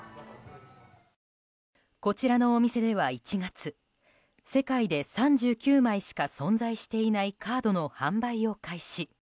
こちらのお店では１月世界で３９枚しか存在していないカードの販売を開始。